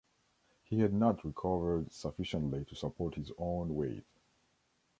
He had not recovered sufficiently to support his own weight.